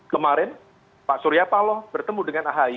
kemarin pak surya paloh bertemu dengan ahy